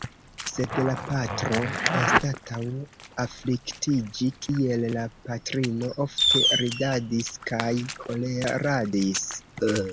Sed la patro, anstataŭ afliktiĝi kiel la patrino, ofte ridadis kaj koleradis.